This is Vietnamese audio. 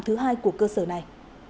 thứ hai của cơ sở này